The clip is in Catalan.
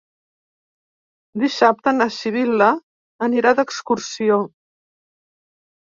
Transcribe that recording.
Dissabte na Sibil·la anirà d'excursió.